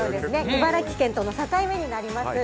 茨城県との境目になります。